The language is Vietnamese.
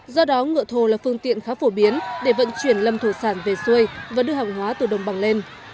do đó ngựa thổ là phương tiện khá phổ biến để vận chuyển lâm thủy sản về xuôi và đưa hàng hóa từ đồng bằng lên